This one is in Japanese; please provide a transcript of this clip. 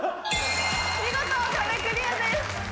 見事壁クリアです！